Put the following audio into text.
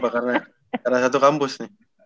karena satu kampus nih